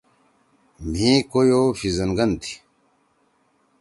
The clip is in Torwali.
مھی کویو پھیِزن گن تھی۔